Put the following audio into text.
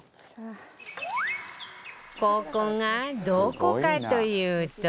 ここがどこかというと